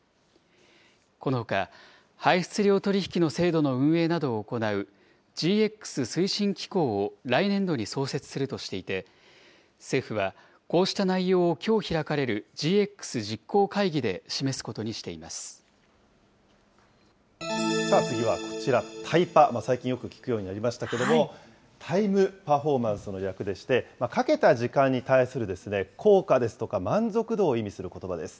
このほか、排出量取り引きの制度の運営などを行うＧＸ推進機構を来年度に創設するとしていて、政府はこうした内容をきょう開かれるＧＸ実行会議で示すことにし次はこちら、タイパ、最近よく聞くようになりましたけれども、タイム・パフォーマンスの略でして、かけた時間に対する効果ですとか満足度を意味することばです。